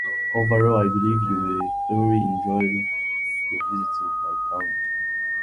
Overall, I believe you will thoroughly enjoy your visit to my town.